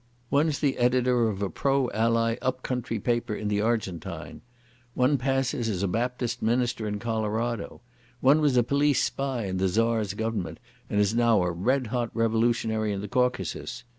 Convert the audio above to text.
One's the editor of a pro Ally up country paper in the Argentine. One passes as a Baptist minister in Colorado. One was a police spy in the Tzar's Government and is now a red hot revolutionary in the Caucasus.